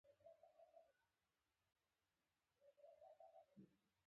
پورتنی شعر د ملي یووالي ښه بېلګه وړاندې کړې.